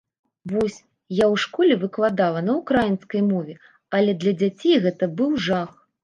Вось, я ў школе выкладала на ўкраінскай мове, але для дзяцей гэта быў жах.